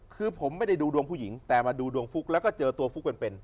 คือผมไม่ได้ดูดวงผู้หญิงแต่มาดูดวงฟุ๊กแล้วก็เจอตัวฟุ๊กเป็น